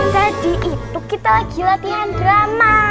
tadi itu kita lagi latihan drama